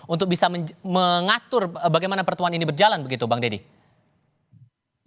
untuk bisa mengatur bagaimana pertemuan ini berjalan begitu bang deddy